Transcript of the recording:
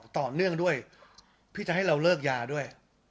ต่อเนื่องด้วยพี่จะให้เราเลิกยาด้วย